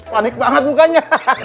panik banget bukannya